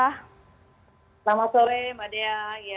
selamat sore mbak dea